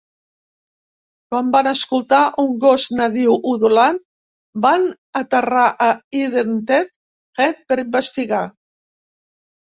Com van escoltar un gos nadiu udolant, van aterrar a Indented Head per investigar.